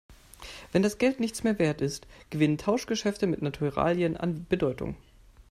Wenn das Geld nichts mehr Wert ist, gewinnen Tauschgeschäfte mit Naturalien an Bedeutung.